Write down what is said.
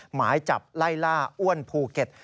หมายจับไล่ล่าอ้วนภูเก็ต